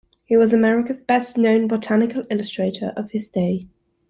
He was America's best known botanical illustrator of his day.